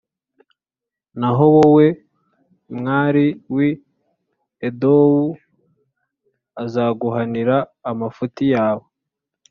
Naho wowe, mwari w’i Edomu, azaguhanira amafuti yawe,